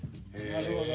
なるほど。